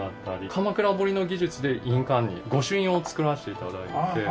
鎌倉彫の技術で印鑑に御朱印を作らせて頂いて。